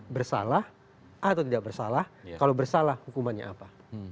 bersalah atau tidak bersalah kalau bersalah hukumannya apa